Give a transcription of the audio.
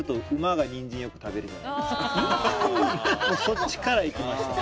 そっちからいきました。